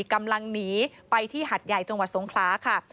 กำลังหนีไปที่หัดใหญ่จังหวัดสงขลาค่ะ